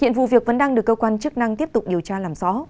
hiện vụ việc vẫn đang được cơ quan chức năng tiếp tục điều tra làm rõ